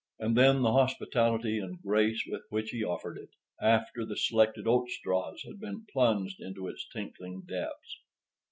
And then the hospitality and grace with which he offered it, after the selected oat straws had been plunged into its tinkling depths!